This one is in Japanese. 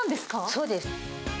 そうです。